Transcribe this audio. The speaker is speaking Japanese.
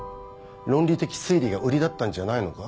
論理的推理が売りだったんじゃないのか？